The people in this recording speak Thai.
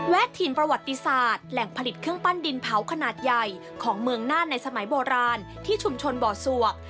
ถิ่นประวัติศาสตร์แหล่งผลิตเครื่องปั้นดินเผาขนาดใหญ่ของเมืองน่านในสมัยโบราณที่ชุมชนบ่อสวก